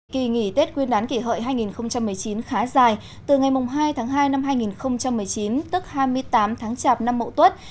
kỳ nghỉ tết nguyên đán kỷ hợi hai nghìn một mươi chín khá dài từ ngày hai tháng hai năm hai nghìn một mươi chín tức hai mươi tám tháng chạp năm mậu tuất